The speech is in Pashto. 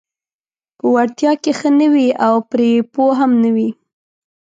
په وړتیا کې ښه نه وي او پرې پوه هم نه وي: